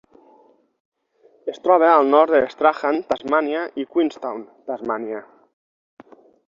Es troba al nord de Strahan, Tasmània i Queenstown, Tasmània.